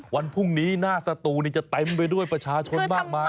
วันพรุ่งนี้หน้าสตูนี่จะเต็มไปด้วยประชาชนมากมาย